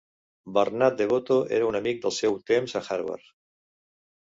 Bernard DeVoto era un amic del seu temps a Harvard.